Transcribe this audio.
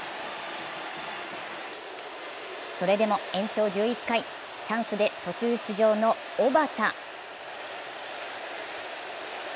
それでも延長１１回、チャンスで途中出場の小幡。